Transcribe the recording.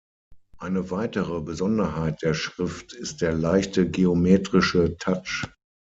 Eine weitere Besonderheit der Schrift ist der leichte geometrische Touch.